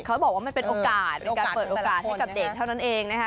เขาบอกว่ามันเป็นโอกาสในการเปิดโอกาสให้กับเด็กเท่านั้นเองนะคะ